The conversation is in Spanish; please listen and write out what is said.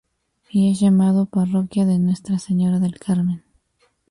Y es llamado Parroquia de Nuestra Señora del Carmen